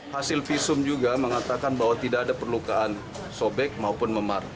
hasil visum juga mengatakan bahwa tidak ada perlukaan sobek maupun memar